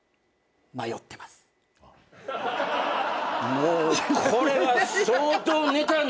もうこれは相当ネタないよね。